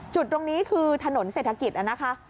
จุดตรงนี้คือถนนเศรษฐกิจนะคะ